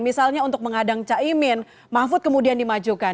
misalnya untuk mengadang caimin mahfud kemudian dimajukan